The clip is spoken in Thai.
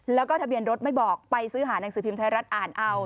แล้วก็ทะเบียนรถไม่บอกไปซื้อหานังสือพิมพ์ไทยรัฐอ่านเอา